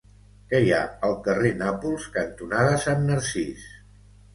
Què hi ha al carrer Nàpols cantonada Sant Narcís?